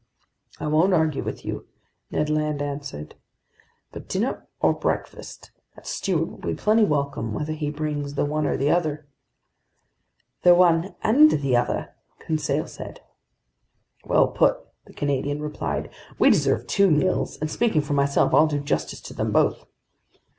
"I won't argue with you," Ned Land answered. "But dinner or breakfast, that steward will be plenty welcome whether he brings the one or the other." "The one and the other," Conseil said. "Well put," the Canadian replied. "We deserve two meals, and speaking for myself, I'll do justice to them both."